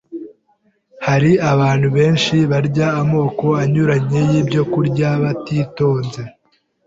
Hari abantu benshi barya amoko anyuranye y’ibyokurya batitonze,